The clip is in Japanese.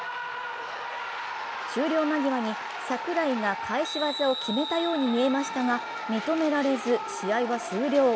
終了間際に櫻井が返し技を決めたようにみえましたが、認められず試合は終了。